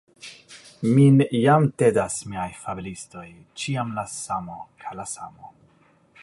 Min jam tedas miaj fabelistoj, ĉiam la samo kaj la samo.